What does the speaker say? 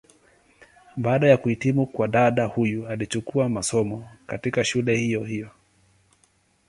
Baada ya kuhitimu kwa dada huyu alichukua masomo, katika shule hiyo hiyo.